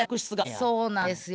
そうなんですよ。